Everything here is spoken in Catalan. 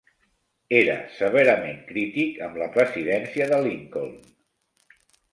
Era severament crític amb la presidència de Lincoln.